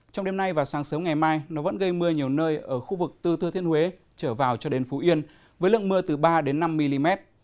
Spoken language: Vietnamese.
trong đêm nay và sáng sớm ngày mai nó vẫn gây mưa nhiều nơi ở khu vực từ thừa thiên huế trở vào cho đến phú yên với lượng mưa từ ba năm mm